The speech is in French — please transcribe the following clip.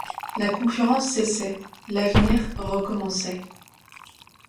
La concurrence cessait; l'avenir recommençait.